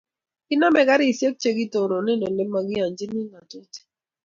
kinamei garishek che kitononei ole makiyanchini ngatutik